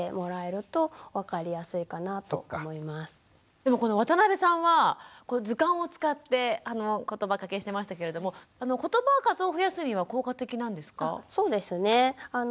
でもこの渡邊さんは図鑑を使ってことばかけしてましたけれどもことば数を増やすには効果的なんですか？